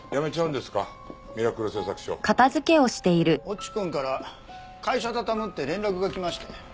越智くんから会社畳むって連絡が来まして。